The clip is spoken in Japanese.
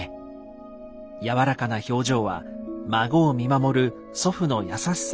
柔らかな表情は孫を見守る祖父の優しさを感じさせます。